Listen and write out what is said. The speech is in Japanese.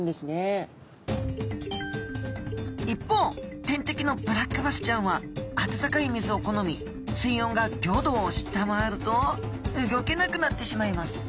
一方天敵のブラックバスちゃんは温かい水を好み水温が５℃を下回るとうギョけなくなってしまいます